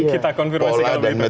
kita konfirmasi kalau baik baik